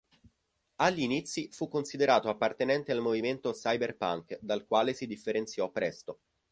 Agli inizi fu considerato appartenente al movimento cyberpunk, dal quale si differenziò presto.